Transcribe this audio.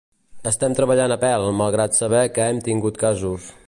Estem treballant a pèl malgrat saber que hem tingut casos.